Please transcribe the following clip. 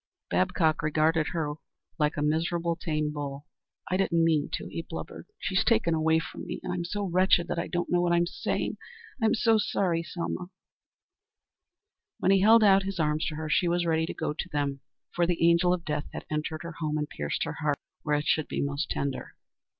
Babcock regarded her like a miserable tame bull. "I didn't mean to," he blubbered. "She's taken away from me, and I'm so wretched that I don't know what I'm saying. I'm sorry, Selma." He held out his arms to her. She was ready to go to them, for the angel of death had entered her home and pierced her heart, where it should be most tender.